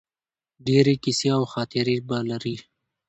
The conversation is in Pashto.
ډیرې قیصې او خاطرې به لرې